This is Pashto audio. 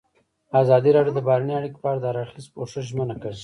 ازادي راډیو د بهرنۍ اړیکې په اړه د هر اړخیز پوښښ ژمنه کړې.